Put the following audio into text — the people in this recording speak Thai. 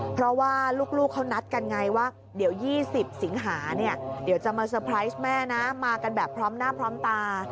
เพราะว่าลูกเขานัดกันไงว่าเดี๋ยว๒๐สิงหาเนี่ยเดี๋ยวจะมาเตอร์ไพรส์แม่นะมากันแบบพร้อมหน้าพร้อมตา